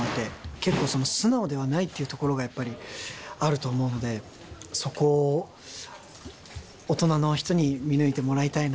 結構素直ではないっていうところがあると思うんでそこを大人の人に見抜いてもらいたいなと。